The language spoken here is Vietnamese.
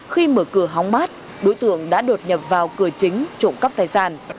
khi mở cửa hóng mát đối tượng đã đột nhập vào cửa chính trộm cắp tài sản